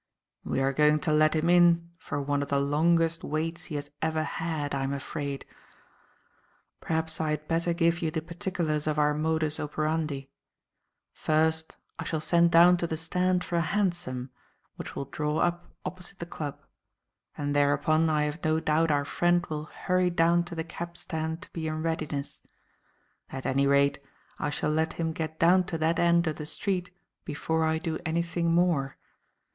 "We are going to let him in for one of the longest waits he has ever had, I am afraid. Perhaps I had better give you the particulars of our modus operandi. First, I shall send down to the stand for a hansom, which will draw up opposite the club; and thereupon I have no doubt our friend will hurry down to the cab stand to be in readiness. At any rate, I shall let him get down to that end of the street before I do anything more.